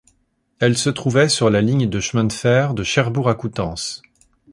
Elle se trouvait sur la ligne de chemin de fer de Cherbourg à Coutances.